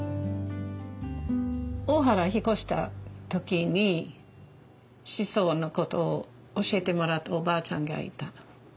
大原引っ越した時にシソの事を教えてもらったおばあちゃんがいた。